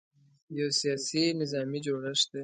یو سیاسي – نظامي جوړښت دی.